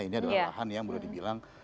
ini adalah lahan yang boleh dibilang